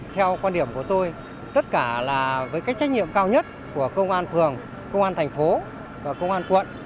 theo quan điểm của tôi tất cả là với cái trách nhiệm cao nhất của công an phường công an thành phố và công an quận